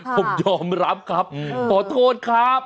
ผมยอมรับครับขอโทษครับ